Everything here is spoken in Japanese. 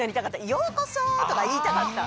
「ようこそ」とかいいたかった。